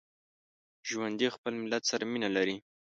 ژوندي خپل ملت سره مینه لري